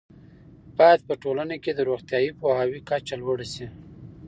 باید په ټولنه کې د روغتیايي پوهاوي کچه لوړه شي.